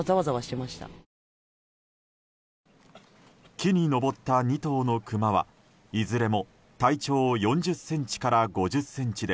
木に登った２頭のクマはいずれも体長４０ｃｍから５０ｃｍで